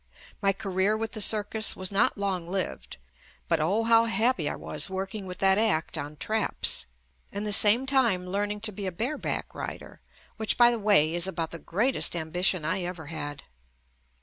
My career with the circus was not long lived, but oh how happy I was working with that act on traps, and the same time learning to be a bareback rider, which, by the way, is about the greatest ambi tion I ever had.